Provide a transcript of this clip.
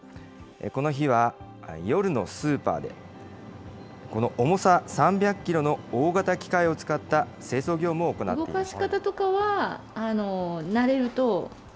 この日は夜のスーパーで、この重さ３００キロの大型機械を使った清掃業務を行っていました。